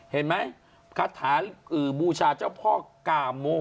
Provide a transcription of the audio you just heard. เห็นไหมคาถาบูชาเจ้าพ่อกาโม